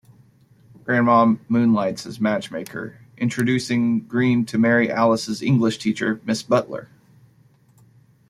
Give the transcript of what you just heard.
Grandma moonlights as matchmaker, introducing Green to Mary Alice's English teacher, Miss Butler.